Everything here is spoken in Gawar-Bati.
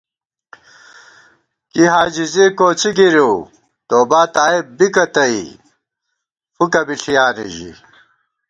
کی حاجزے کوڅی گِرِؤ، توبا تائب بِکہ تئ فُکہ بی ݪِیانے ژِی